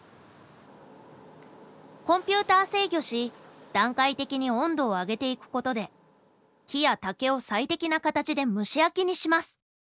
コンピューター制御し段階的に温度を上げていくことで木や竹を最適な形で蒸し焼きにします。